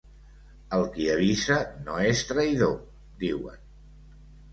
El qui avisa no és traïdor, diuen.